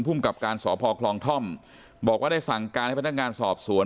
กับการสพคลองท่อมบอกว่าได้สั่งการให้พนักงานสอบสวน